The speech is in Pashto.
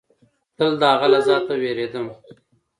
تل د هغه له ذاته وېرېدم.